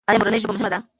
ایا مورنۍ ژبه مهمه ده؟